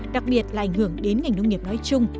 đặc biệt là ảnh hưởng đến ngành nông nghiệp nói chung